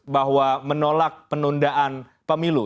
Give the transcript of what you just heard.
bahwa menolak penundaan pemilu